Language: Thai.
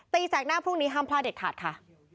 แสกหน้าพรุ่งนี้ห้ามพลาดเด็ดขาดค่ะ